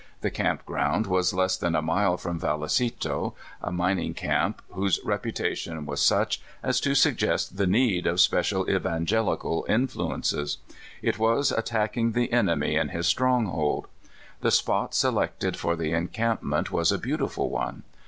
The camp ground was less than a mile from Vallecito, a mining camp, whose reputation was such as to suggest the need My First California Camp ynceting. 153 of special evans^elical influences. It was attacking the enemy in his stronghold. The spot selected for the encampment was a beautiful one.